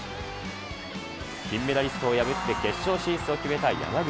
金メダリストを破って決勝進出を決めた山口。